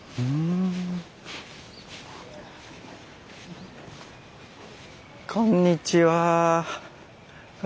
あっこんにちは。